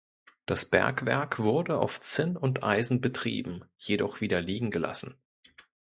Das Bergwerk wurde auf Zinn und Eisen betrieben, jedoch wieder liegen gelassen.